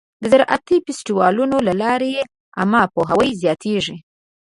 د زراعتي فستیوالونو له لارې عامه پوهاوی زیاتېږي.